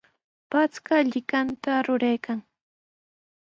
Patrka llikanta ruraykan.